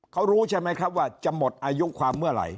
เขารู้ใช่ไหมครับว่าจะหมดอายุความเมื่อไหร่